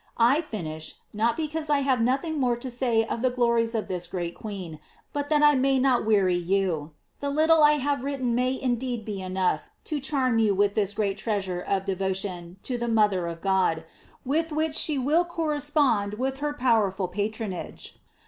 I finish, not because I have nothing more to say of the glories of this great 674 GLORIES OF MART. queen, but that I may not weary you. The little that I have written may indeed be enough to charm you with this great treasure of devo tion to the mother of God, with which she will correspond with her powerful patronage.